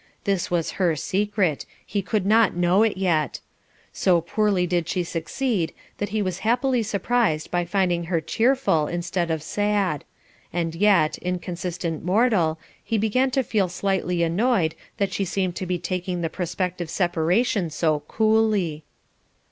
This was her secret; he could not know it yet. So poorly did she succeed that he was happily surprised by finding her cheerful, instead of sad; and yet, inconsistent mortal, he began to feel slightly annoyed that she seemed to be taking the prospective separation so coolly.